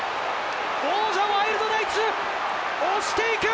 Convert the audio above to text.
王者、ワイルドナイツ、押していく。